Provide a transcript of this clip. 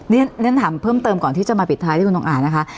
เรียนถามเพิ่มเติมก่อนที่จะมาปิดท้ายที่คุณทงอ่านนะคะ